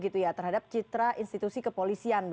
terhadap citra institusi kepolisian